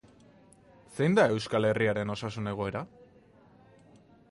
Zein da Euskal Herriaren osasun egoera?